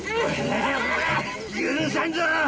許さんぞ！